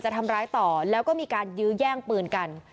ทำร้ายต่อแล้วก็มีการยื้อแย่งปืนกัน